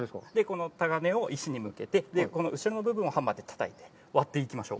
このタガネを石に向けてこの後ろの部分をハンマーでたたいて、割っていきましょう。